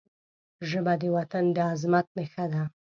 ژبه د وطن د عظمت نښه ده